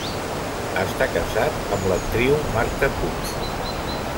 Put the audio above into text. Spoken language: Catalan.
Està casat amb l'actriu Marta Puig.